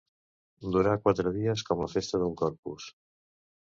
Durar quatre dies, com la festa del Corpus.